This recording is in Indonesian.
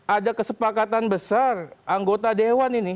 ada kesepakatan besar anggota dewan ini